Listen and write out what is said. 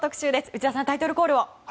内田さん、タイトルコールを。